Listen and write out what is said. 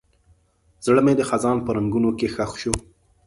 زړه مې د خزان په رنګونو کې ښخ شو.